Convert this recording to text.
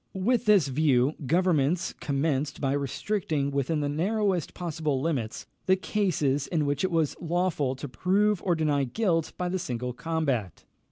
With this view, governments commenced by restricting within the narrowest possible limits the cases in which it was lawful to prove or deny guilt by the single combat.